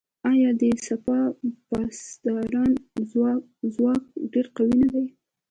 آیا د سپاه پاسداران ځواک ډیر قوي نه دی؟